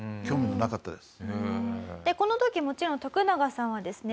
この時もちろんトクナガさんはですね